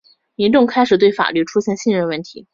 民众开始对法律出现信任问题。